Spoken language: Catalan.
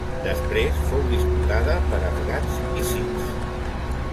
Després fou disputada per afgans i sikhs.